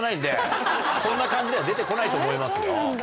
そんな感じでは出て来ないと思いますよ。